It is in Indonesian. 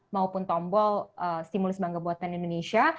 maupun tombol stimulus bangga buatan indonesia